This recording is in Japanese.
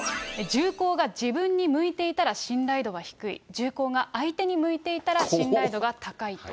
銃口が自分に向いていたら、信頼度が低い、銃口が相手に向いていたら信頼度が高いと。